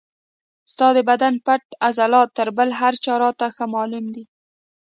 ستا د بدن پټ عضلات تر بل هر چا راته ښه معلوم دي.